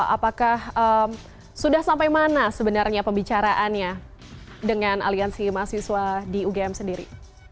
apakah sudah sampai mana sebenarnya pembicaraannya dengan aliansi mahasiswa di ugm sendiri